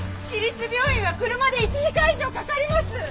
市立病院は車で１時間以上かかります！